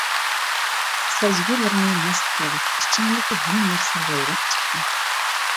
سەزگۈلىرىڭنى مەست قىلىۋەت. ئىچىڭدىكى ھەممە نەرسە لەيلەپ چىققاي.